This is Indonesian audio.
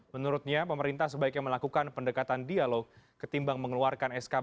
menurutnya pemerintah sebaiknya melakukan pendekatan dialog ketimbang mengeluarkan skb